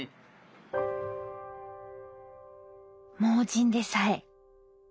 盲人でさえ。